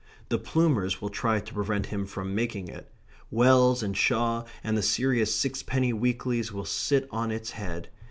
The Plumers will try to prevent him from making it. Wells and Shaw and the serious sixpenny weeklies will sit on its head.